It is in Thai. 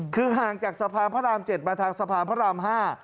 คือห่างจากสะพานพระราม๗มาทางสะพานพระราม๕